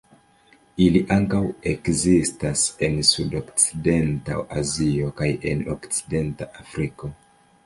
Ili ankaŭ ekzistas en sudokcidenta Azio kaj en okcidenta Afriko.